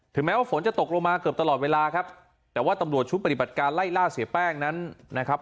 แม้ว่าฝนจะตกลงมาเกือบตลอดเวลาครับแต่ว่าตำรวจชุดปฏิบัติการไล่ล่าเสียแป้งนั้นนะครับ